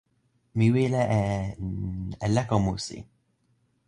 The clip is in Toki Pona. mi wile e, n... e leko musi.